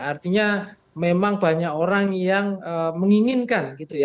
artinya memang banyak orang yang menginginkan gitu ya